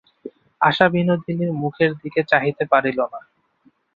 আশা বিনোদিনীর মুখের দিকে চাহিতে পারিল না।